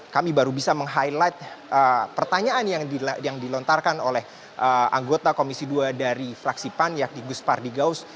kami baru bisa meng highlight pertanyaan yang dilontarkan oleh anggota komisi ii dari fraksi pan yagdi guspar digaus